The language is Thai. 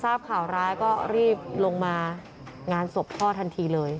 ทราบข่าวร้ายก็รีบลงมางานศพพ่อทันทีเลย